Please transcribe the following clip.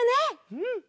うん！